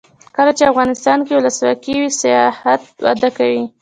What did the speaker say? کله چې افغانستان کې ولسواکي وي سیاحت وده کوي.